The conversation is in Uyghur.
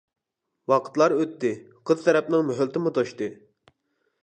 ۋاقىتلار ئۆتتى، قىز تەرەپنىڭ مۆھلىتىمۇ توشتى.